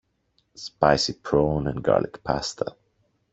Spicy prawn and garlic pasta.